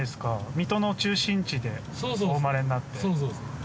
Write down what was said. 水戸の中心地でお生まれになって。